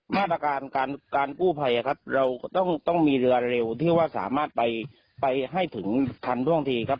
มาตรการการกู้ภัยครับเราต้องมีเรือเร็วที่ว่าสามารถไปให้ถึงทันท่วงทีครับ